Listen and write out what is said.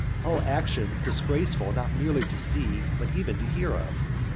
O action disgraceful not merely to see, but even to hear of!